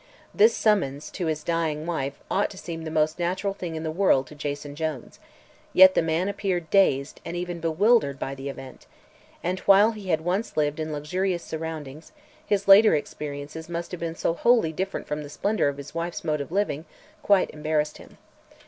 This summons to his dying wife ought to seem the most natural thing in the world to Jason Jones, yet the man appeared dazed and even bewildered by the event, and while he had once lived in luxurious surroundings his later experiences must have been so wholly different that the splendor of his wife's mode of living quite embarrassed him.